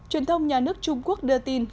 truyền thông nhà nước trung quốc đưa tin